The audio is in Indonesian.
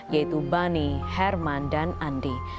yaitu bani herman dan andi